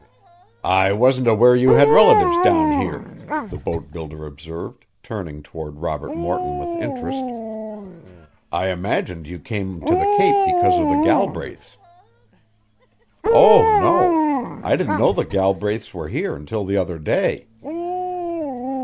"I wasn't aware you had relatives down here," the boat builder observed, turning toward Robert Morton with interest. "I imagined you came to the Cape because of the Galbraiths." "Oh, no. I didn't know the Galbraith's were here until the other day."